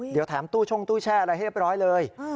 เดี๋ยวแถมตู้ช่งตู้แช่อะไรให้เรียบร้อยเลย